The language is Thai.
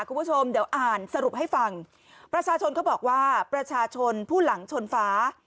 คุณผู้ชมเดี๋ยวอ่านสรุปให้ฟังประชาชนเขาบอกว่าประชาชนผู้หลังชนฟ้า